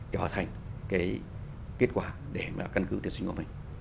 trở thành cái kết quả để mà căn cứ tuyển sinh của mình